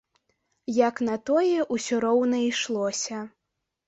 Як на тое ўсё роўна ішлося.